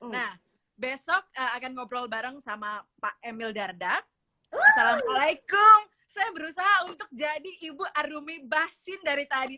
nah besok akan ngobrol bareng sama pak emil dardak assalamualaikum saya berusaha untuk jadi ibu arumi basin dari tadi